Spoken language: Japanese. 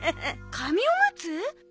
紙おむつ？